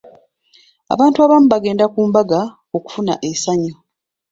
Abantu abamu bagenda ku mbaga okufuna essanyu.